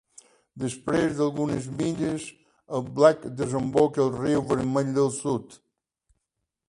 Després d'algunes milles, el Black desemboca al Riu Vermell del Sud.